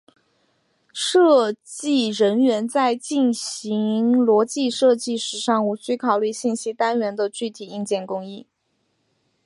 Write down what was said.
设计人员在进行逻辑设计时尚无需考虑信息单元的具体硬件工艺。